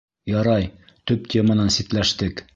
Ярай, төп теманан ситләштек.